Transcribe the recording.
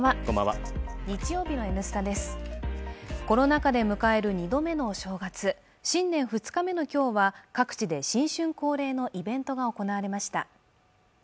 コロナ禍で迎える２度目のお正月新年２日目の今日は各地で新春恒例のイベントが行われました。